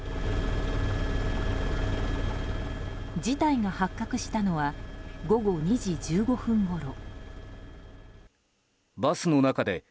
事態が発覚したのは午後２時１５分ごろ。